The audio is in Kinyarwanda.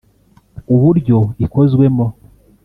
uburyo ikozwemo